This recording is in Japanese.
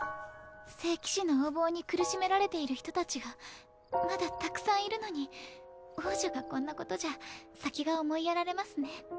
聖騎士の横暴に苦しめられている人たちがまだたくさんいるのに王女がこんなことじゃ先が思いやられますね。